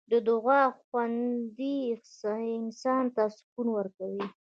د دعا خوند انسان ته سکون ورکوي.